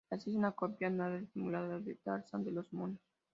La serie es una copia nada disimulada de "Tarzán de los monos".